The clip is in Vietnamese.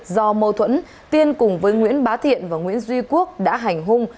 do mâu thuẫn tiên cùng với nguyễn bá thiện và nguyễn duy quốc đã hành hung